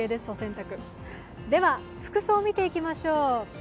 では服装を見ていきましょう。